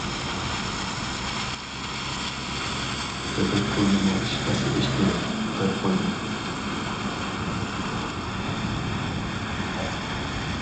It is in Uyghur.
تەپەككۇرنىمۇ ئىشقا سېلىش كېرەك، دەپ قويدۇم.